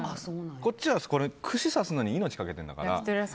こっちは串刺すのに命かけてるんだから。